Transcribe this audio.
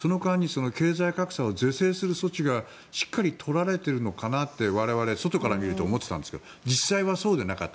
しかも長い間在任されていましたからその間に経済格差を是正する措置がしっかりとられているのかなと我々、外から見ると思ってたんですが実際はそうではなかった。